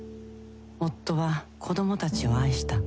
夫は子どもたちを愛した。